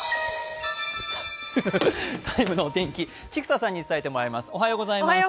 「ＴＨＥＴＩＭＥ，」のお天気、千種さんに伝えてもらいます。